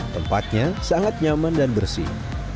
tempatnya sangat nyaman dan bersih